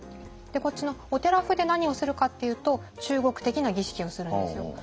こっちのお寺風で何をするかっていうと中国的な儀式をするんですよ。